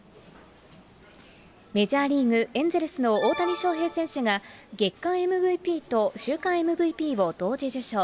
メジャーリーグ・エンゼルスの大谷翔平選手が月間ＭＶＰと週間ＭＶＰを同時受賞。